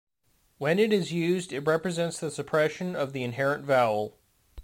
When it is used, it represents the suppression of the inherent vowel.